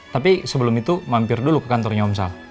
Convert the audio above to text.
tapi sebelum itu mampir dulu ke kantornya om sal